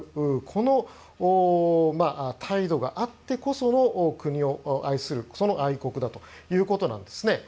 この態度があってこその国を愛する愛国だということなんですね。